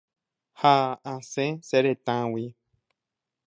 Ha asẽ che retãgui.